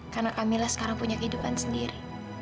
karena kamila sekarang punya kehidupan sendiri